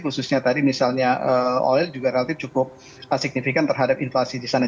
khususnya tadi misalnya oil juga relatif cukup signifikan terhadap inflasi di sana